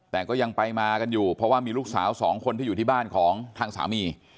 แต่ก็ยังไปมากันอยู่เพราะว่ามีลูกสาวสองคนที่อยู่ที่บ้านของทางสามี